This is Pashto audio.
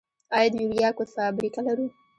آیا د یوریا کود فابریکه لرو؟